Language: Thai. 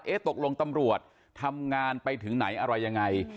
ตกลงตำรวจทำงานไปถึงไหนอะไรยังไง